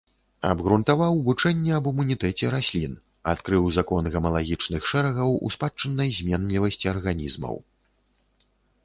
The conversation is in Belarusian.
Абгрунтаваў вучэнне аб імунітэце раслін, адкрыў закон гамалагічных шэрагаў у спадчыннай зменлівасці арганізмаў.